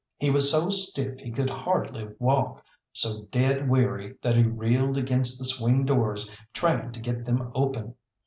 He was so stiff he could hardly walk, so dead weary that he reeled against the swing doors trying to get them open.